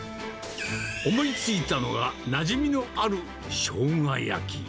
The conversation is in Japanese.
思いついたのがなじみのあるしょうが焼き。